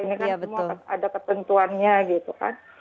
ini kan semua ada ketentuannya gitu kan